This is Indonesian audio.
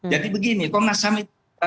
jadi begini komnas ham itu